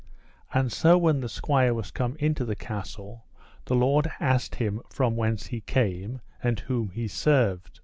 And so when the squire was come into the castle, the lord asked him from whence he came, and whom he served.